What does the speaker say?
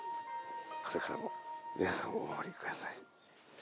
これからも皆さんをお守りください。